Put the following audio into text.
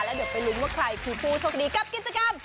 เดี๋ยวไปลุ้นว่าใครคือผู้โชคดีกับกิจกรรม